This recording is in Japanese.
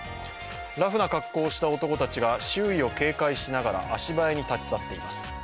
ラフな格好をした男たちが周囲を警戒しながら足早に立ち去っています。